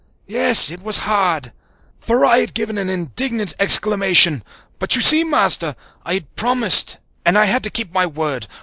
Yes, it was hard" for I had given an indignant exclamation "but you see, Master, I had promised and I had to keep my word.